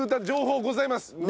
情報ございます。